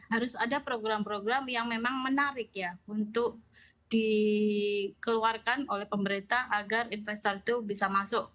harus ada program program yang memang menarik ya untuk dikeluarkan oleh pemerintah agar investor itu bisa masuk